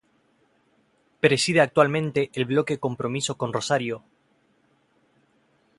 Preside actualmente el Bloque Compromiso con Rosario.